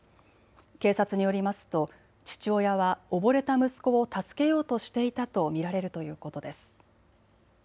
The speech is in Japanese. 警察によりますと父親は溺れた息子を助けようとしていたと見られるということです。